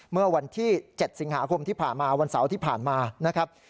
เมื่อวันที่๗สิงหาคมที่ผ่านมาวันเสาร์ที่ผ่านมานะครับ